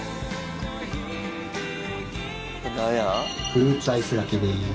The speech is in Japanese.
フルーツアイスがけです。